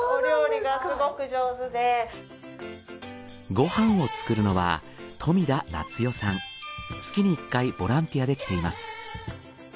ご飯を作るのは月に１回ボランティアで来ています。